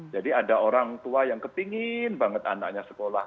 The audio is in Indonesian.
jadi ada orang tua yang kepingin banget anaknya sekolah